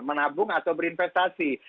menabung atau berinvestasi